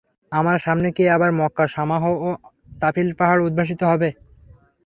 আমার সামনে কি আবার মক্কার শামাহ ও তাফীল পাহাড় উদ্ভাসিত হবে।